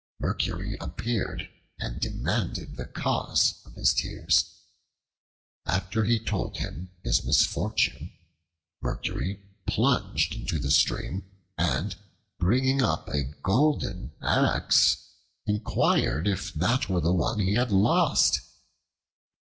Mercury appeared and demanded the cause of his tears. After he told him his misfortune, Mercury plunged into the stream, and, bringing up a golden axe, inquired if that were the one he had lost.